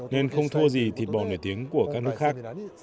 nên không thua gì thịt bò nổi tiếng của các nước khác